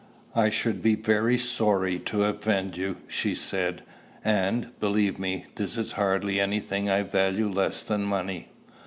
"I should be very sorry to offend you," she said; "and, believe me, there is hardly any thing I value less than money.